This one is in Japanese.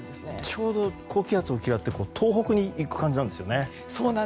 ちょうど高気圧の動きって東北に行く感じなんですね。